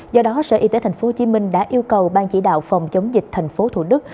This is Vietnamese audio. do đó sở y tế tp hcm đã yêu cầu ban chỉ đạo phòng chống dịch tp thủ đức